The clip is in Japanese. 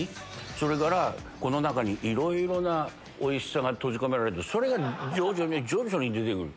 それからこの中にいろいろなおいしさが閉じ込められてそれが徐々に徐々に出てくる。